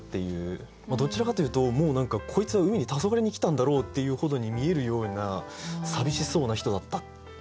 もうどちらかというともう何かこいつは海にたそがれに来たんだろうっていうほどに見えるような寂しそうな人だった。